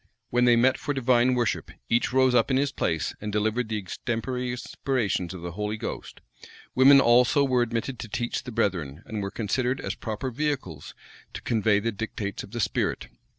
When they met for divine worship, each rose up in his place, and delivered the extemporary inspirations of the Holy Ghost: women also were admitted to teach the brethren, and were considered as proper vehicles to convey the dictates of the spirit.